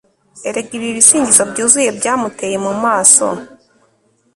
erega ibi bisingizo byuzuye byamuteye mumaso